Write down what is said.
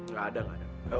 gak ada gak ada